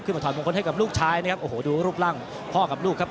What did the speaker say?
มาถอดมงคลให้กับลูกชายนะครับโอ้โหดูรูปร่างพ่อกับลูกครับ